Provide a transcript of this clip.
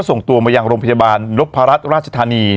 ส่งตัวมาอย่างโรงพยาบาลลบพระรัฐราชธานี